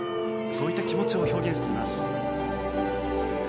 そういった気持ちを表現しています。